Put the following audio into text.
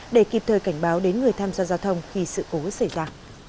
để kịp thời cảnh báo đến người tham gia giao thông khi sự cố xảy ra